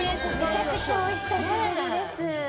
めちゃくちゃお久しぶりです。